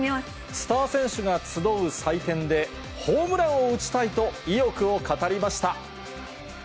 スター選手が集う祭典で、ホームランを打ちたいと意欲を語りました。